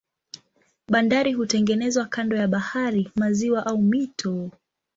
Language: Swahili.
Bandari hutengenezwa kando ya bahari, maziwa au mito.